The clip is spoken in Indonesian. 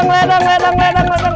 ledang ledang ledang